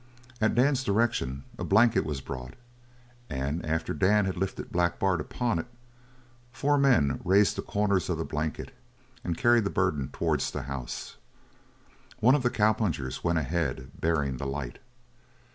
At Dan's direction, a blanket was brought, and after Dan had lifted Black Bart upon it, four men raised the corners of the blanket and carried the burden towards the house. One of the cowpunchers went ahead bearing the light.